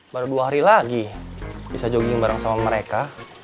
baru dua hari lagi bisa jogging bareng sama mereka